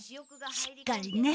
しっかりね。